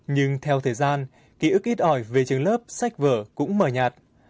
nhưng theo thời gian ký ức ít ỏi về trường lớp sách vở cũng mờ nhạt